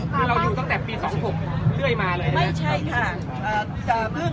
เป็นจบอ้าน